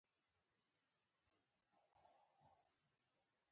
دولت هم یو خیالي جوړښت ګڼل کېږي.